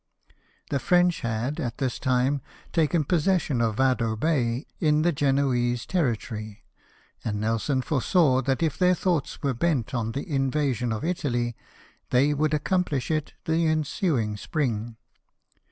The French had, at this time, taken possession of Yado Bay, in the Genoese territory; and Nelson foresaw that if their thoughts were bent on the in vasion of Italy, they would accomplish it the ensuing spring.